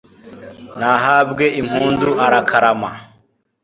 nahabwe impundu arakarama